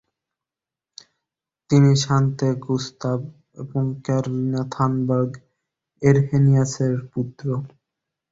তিনি Svante Gustav এবং Carolina Thunberg এরহেনিয়াসের পুত্র।